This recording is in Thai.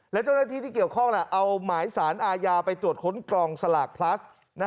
และเจ้าหน้าที่ที่เกี่ยวข้องเอาหมายสารอาญาไปตรวจค้นกรองสลากพลัส